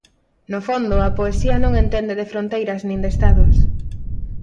No fondo, a poesía non entende de fronteiras nin de Estados.